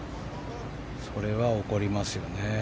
それは怒りますよね。